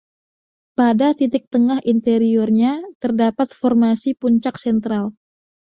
Pada titik tengah interiornya terdapat formasi puncak sentral.